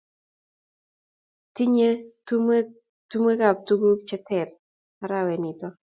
tinyei tumwekab tuguk che ter arawet nito